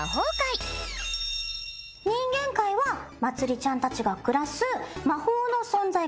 人間界はまつりちゃんたちが暮らす。